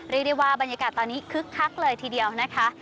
เรียกได้ว่าบรรยากาศตอนนี้คึกคักเลยทีเดียวนะคะ